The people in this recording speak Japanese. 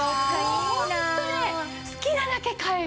もうホントね好きなだけ買える。